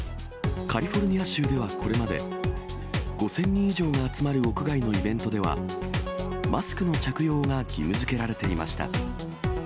カリフォルニア州ではこれまで、５０００人以上が集まる屋外のイベントでは、マスクの着用が義務づけられていました。